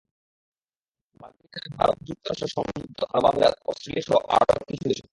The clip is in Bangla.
বাকিটা যায় ভারত, যুক্তরাষ্ট্র, সংযুক্ত আরব আমিরাত, অস্ট্রেলিয়াসহ আরও কিছু দেশে।